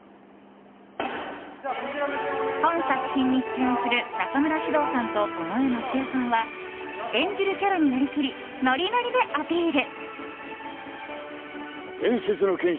本作品に出演する中村獅童さんと尾上松也さんは演じるキャラになりきりノリノリでアピール。